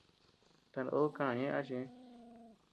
Tanod káa ñe acha ñeʼë.